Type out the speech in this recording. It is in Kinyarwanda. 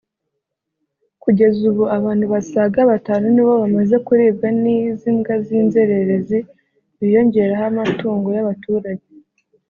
Kugeza ubu abantu basaga batanu ni bo bamaze kuribwa n’izi mbwa z’inzererezi biyongeraho amatungo y’abaturage